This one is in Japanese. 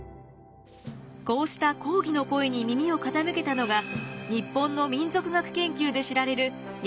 こうした抗議の声に耳を傾けたのが日本の民俗学研究で知られる柳田国男でした。